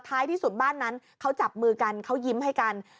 ที่สุดบ้านนั้นเขาจับมือกันเขายิ้มให้กัน